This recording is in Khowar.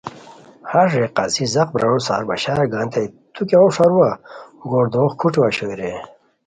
ہݰ رے قاضی زاق برارو سار بشار گانیتائے تو کیہ ہوݰ ارو گوردوغ کھوٹو اوشوئے رے؟